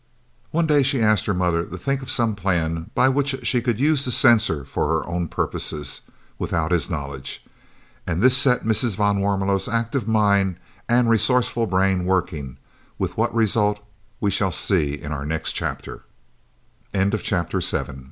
One day she asked her mother to think of some plan by which she could use the censor for her own purposes, without his knowledge, and this set Mrs. van Warmelo's active mind and resourceful brain working, with what result we shall see in our next chapter. CHAPTER VIII OUT